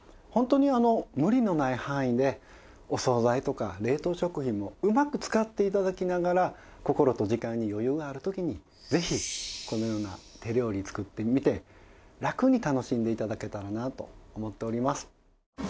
ホントに無理のない範囲でお総菜とか冷凍食品もうまく使って頂きながら心と時間に余裕がある時にぜひこのような手料理作ってみて楽に楽しんで頂けたらなと思っております。